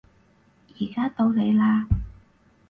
而家到你嘞